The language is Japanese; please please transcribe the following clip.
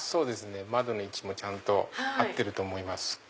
窓の位置もちゃんと合ってると思います。